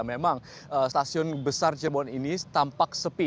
memang stasiun besar cirebon ini tampak sepi